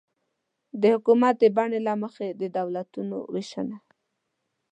د حکومت د بڼې له مخې د دولتونو وېشنه